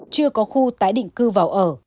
chưa có khu tái định cư vào ở